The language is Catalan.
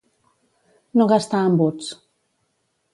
No gastar embuts.